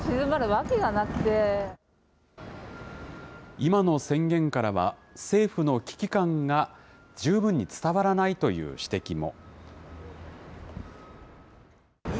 今の宣言からは、政府の危機感が十分に伝わらないという指摘も。